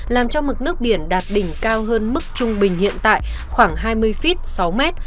làm cho mực nước biển đạt đỉnh cao hơn mức trung bình hiện tại khoảng hai mươi feet sáu mét